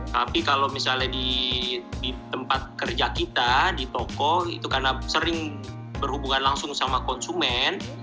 tapi kalau misalnya di tempat kerja kita di toko itu karena sering berhubungan langsung sama konsumen